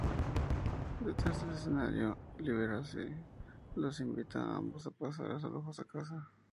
Detrás del escenario Liberace los invita a ambos a pasar a su lujosa casa.